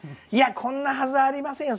こんなはずありませんよ